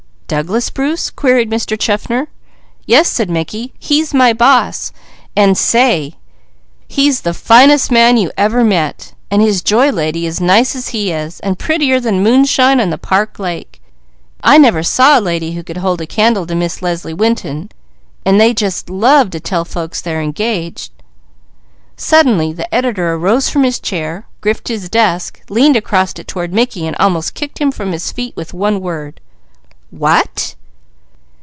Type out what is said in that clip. "Douglas Bruce?" queried Mr. Chaffner. "Yes," said Mickey. "He's my boss, and say, he's the finest man you ever met; and his Joy Lady is nice as he is, and prettier than moonshine on the park lake. I never saw a lady who could hold a candle to Miss Leslie Winton, and they just love to tell folks they're engaged." Suddenly the editor arose from his chair, gripped his desk, leaned across it toward Mickey, and almost knocked him from his feet with one word. "_What?